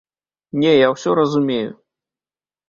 Не, я ўсё разумею!